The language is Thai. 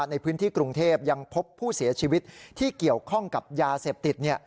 ในพื้นที่กรุงเทพยังพบผู้เสียชีวิตที่เกี่ยวข้องกับยาเสพติด